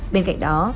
bên cạnh đó